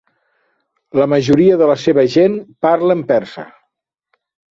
La majoria de la seva gent parlen persa.